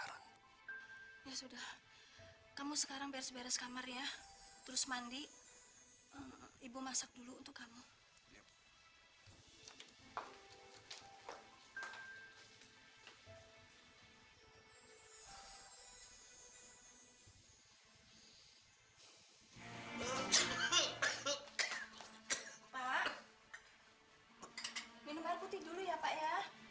pak minum air putih dulu ya pak ya